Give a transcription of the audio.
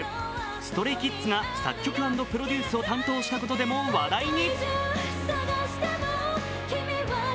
ＳｔｒａｙＫｉｄｓが作曲＆プロデュースを担当したことでも話題に。